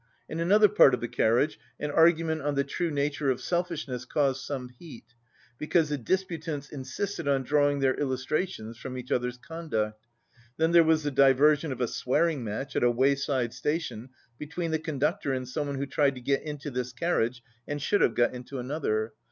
In another part of the carriage an argument on the true nature of selfishness caused some heat because the dispu tants insisted on drawing their illustrations from each other's conduct. Then there was the diver sion of a swearing match at a wayside station between the conductor and some one who tried to get into this carriage and should have got into another.